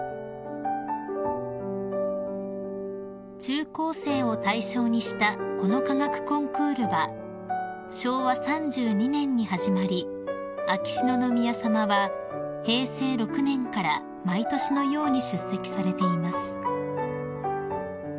［中高生を対象にしたこの科学コンクールは昭和３２年に始まり秋篠宮さまは平成６年から毎年のように出席されています］